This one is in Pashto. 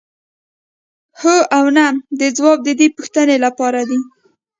هو او نه دا ځواب د دې پوښتنې لپاره دی.